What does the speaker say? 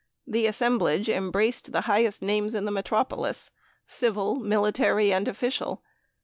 The assemblage embraced the highest names in the metropolis civil, military, and official.